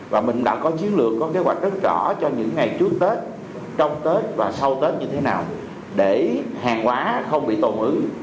và mình đã có chiến lược có kế hoạch rất rõ cho những ngày trước tết trong tết và sau tết như thế nào để hàng quá không bị tồn ứ